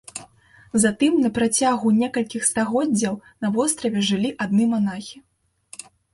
Затым на працягу некалькіх стагоддзяў на востраве жылі адны манахі.